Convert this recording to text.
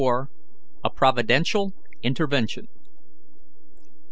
A PROVIDENTIAL INTERVENTION.